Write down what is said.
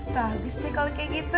bagus nih kalau kayak gitu